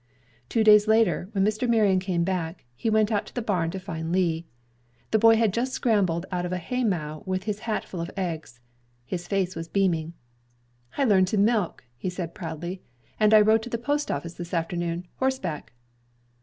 Two days later, when Mr. Marion came back, he went out to the barn to find Lee. The boy had just scrambled out of a haymow with his hat full of eggs. His face was beaming. "I've learned to milk," he said proudly, "and I rode to the post office this afternoon, horseback."